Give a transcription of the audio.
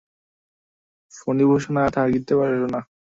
ফণিভূষণ আর থাকিতে পারিল না।